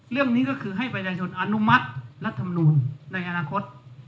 เรื่องนี้ก็คือให้ประชาชนอนุมัติรัฐมนูลในอนาคต